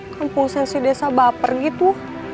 kampung sesi desa baper gitu